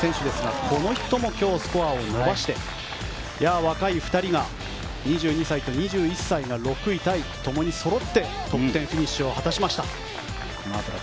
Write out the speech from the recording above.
この人も今日スコアを伸ばして若い２人が２２歳と２１歳が６位タイ共にそろってトップ１０のフィニッシュを果たしました。